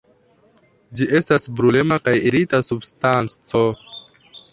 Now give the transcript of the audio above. Ĝi estas brulema kaj irita substanco.